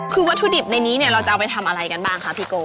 คือวัตถุดิบในนี้เนี่ยเราจะเอาไปทำอะไรกันบ้างคะพี่โก